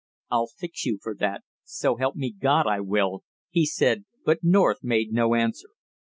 "I'll fix you for that, so help me God, I will!" he said, but North made no answer.